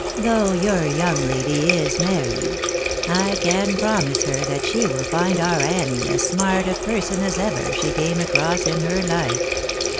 " Though your young lady is 'married, I can promise her that she will find our Annie as smart a person as ever she came across in her life.